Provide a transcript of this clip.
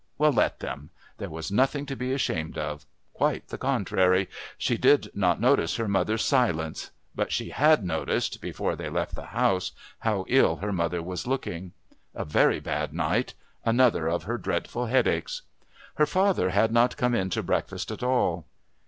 Well, let them. There was nothing to be ashamed of. Quite the contrary. She did not notice her mother's silence. But she had noticed, before they left the house, how ill her mother was looking. A very bad night another of her dreadful headaches. Her father had not come in to breakfast at all.